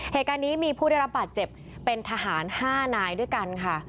เหตุการณ์นี้มีผู้ได้รับบาดเจ็บเป็นทหาร๕นายด้วยกันค่ะ